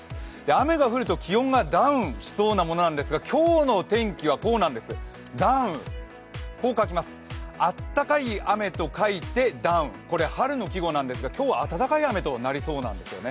雨が降ると気温がダウンしそうなものなんですが、今日の天気はこうなんです、ダンウ、暖かい雨と書いて暖雨、これ、春の季語なんですが、今日は暖かい雨となりそうなんですよね。